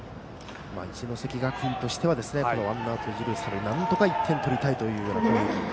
一関学院としてはワンアウト、一塁三塁でなんとか１点を取りたいという攻撃に。